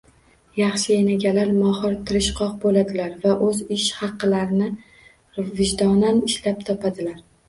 Yaxshi enagalar mohir, tirishqoq bo‘ladilar va o‘z ish haqqilarini “vijdonan” ishlab topadilar.